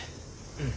うん。